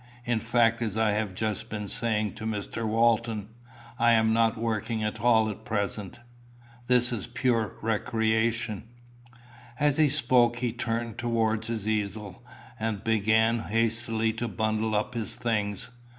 "In fact, as I have just been saying to Mr. Walton, I am not working at all at present. This is pure recreation." As he spoke he turned towards his easel, and began hastily to bundle up his things.